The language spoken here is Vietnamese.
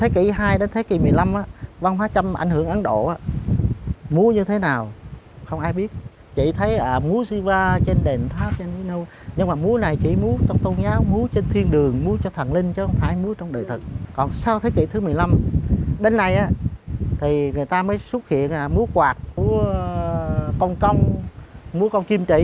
còn sau thế kỷ thứ một mươi năm đến nay người ta mới xuất hiện múa quạt của công công múa công chim trị